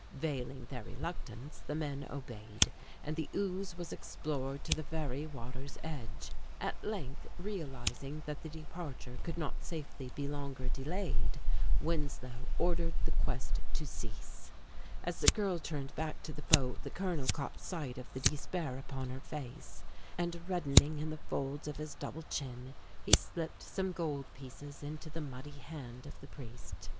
Veiling their reluctance the men obeyed, and the ooze was explored to the very water's edge. At length, realizing that the departure could not safely be longer delayed, Winslow ordered the quest to cease. As the girl turned back to the boat the colonel caught sight of the despair upon her face; and reddening in the folds of his double chin he slipped some gold pieces into the muddy hand of the priest.